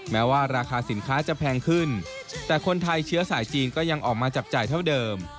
แม้ว่าราคาสินค้าจะแพงขึ้นแต่คนไทยเชื้อสายจีนก็ยังออกมาจับจ่ายเท่าเดิม